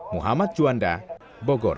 muhammad juanda bogor